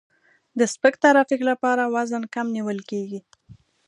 د سپک ترافیک لپاره وزن کم نیول کیږي